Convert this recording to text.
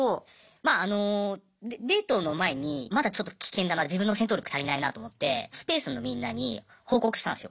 まああのデートの前にまだちょっと危険だな自分の戦闘力足りないなと思ってスペースのみんなに報告したんすよ。